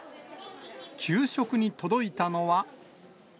給食に届いたのは。